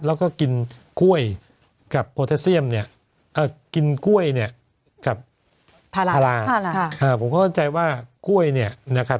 แล้วก็กินกล้วยกับโพธาเซียมเนี่ยกินกล้วยเนี่ยกับพาราผมเข้าใจว่ากล้วยเนี่ยนะครับ